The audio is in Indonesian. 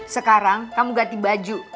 sekarang kamu ganti baju